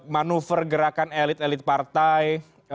manuver gerakan elit elit partai